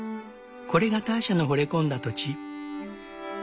これがターシャのほれ込んだ土地。